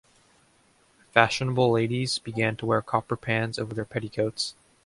Fashionable ladies began to wear copper pans over their petticoats.